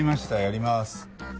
やります。